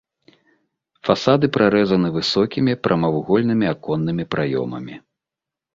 Фасады прарэзаны высокімі прамавугольнымі аконнымі праёмамі.